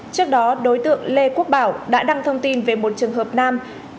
trước đó đối tượng lê quốc bảo đã đăng thông tin về một trường hợp nam